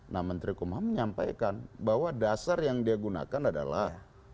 nah menteri kumham menyampaikan bahwa dasar yang dia gunakan adalah